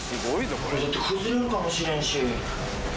これだって崩れるかもしれんし。